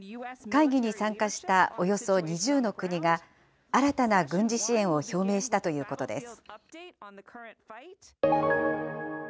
会議に参加したおよそ２０の国が、新たな軍事支援を表明したということです。